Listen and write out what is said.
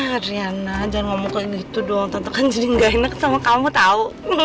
adriana jangan ngomong kayak gitu dong tante kan jadi gak enak sama kamu tau